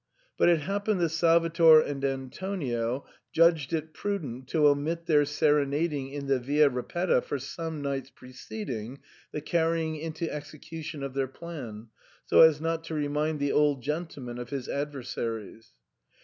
But it happened that Salvator and Antonio judged it prudent to omit their serenading in the Via Ripetta for some nights preceding the carrj'ing into execution of their plan, so as not to remind the old gentleman of his adversaries.